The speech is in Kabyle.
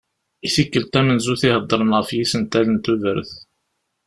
I tikkelt tamenzut i heddren ɣef yisental n tudert.